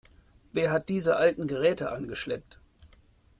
Wer hat diese alten Geräte angeschleppt?